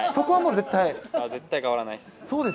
絶対変わらないです。